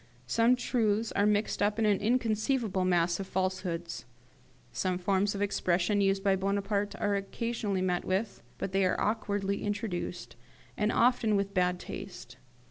Some truths are mixed up with an inconceivable mass of falsehoods. Some forms of expression used by Bonaparte are occasionally met with, but they are awkwardly introduced, and often with bad taste.